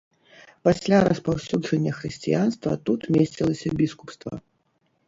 Пасля распаўсюджання хрысціянства тут месцілася біскупства.